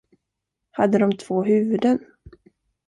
Hade de två huvuden?